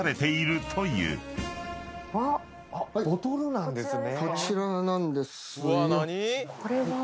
ボトルなんですね。